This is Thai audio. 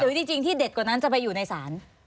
จริงที่เด็ดกว่านั้นจะไปอยู่ในศาล